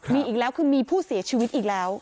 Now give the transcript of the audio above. มีอีกแล้วคือมีผู้เสียชีวิตอีกแล้ว